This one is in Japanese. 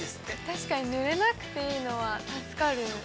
◆確かにぬれなくていいのは助かる。